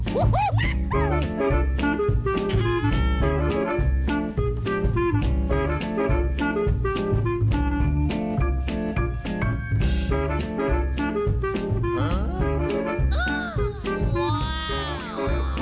ที่นี่มันเสาครับ